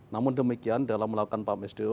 namun demikian dalam melakukan pam sdo